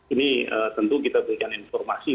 ini tentu kita berikan informasi